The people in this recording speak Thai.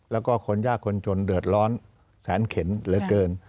แล้วก็คนยากคนจนเดือดร้อนแสนเข็นเหลือเกิน